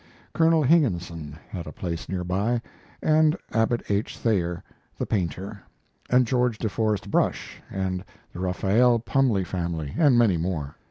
Colonel Higginson had a place near by, and Abbott H. Thayer, the painter, and George de Forest Brush, and the Raphael Pumpelly family, and many more.